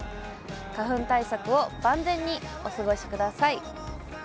花粉対策を万全にお過ごしください。